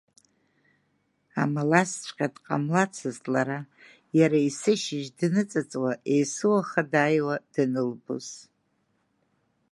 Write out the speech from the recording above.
Амала асҵәҟьа дҟамлацызт лара, иара есышьыжь дныҵыҵуа, есуаха дааиуа данылбоз.